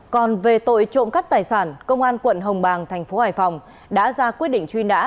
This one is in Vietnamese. còn về tội trộm cắt tài sản công an tp hồng bàng tp hải phòng đã ra quyết định truy nã